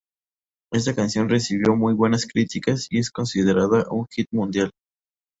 Esta canción recibió muy buena críticas y es considerada un "Hit Mundial".